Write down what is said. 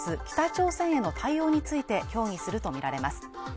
北朝鮮への対応について協議すると見られます